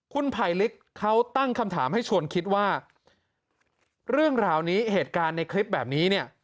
คุณไผลลิกเขาตั้งคำถามให้ชวนคิดว่าเรื่องราวนี้เหตุการณ์ในคลิปแบบนี้เนี่ย